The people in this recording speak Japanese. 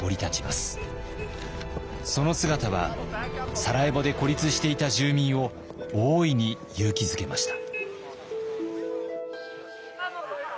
その姿はサラエボで孤立していた住民を大いに勇気づけました。